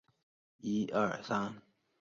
图里亚尔瓦火山位于中部。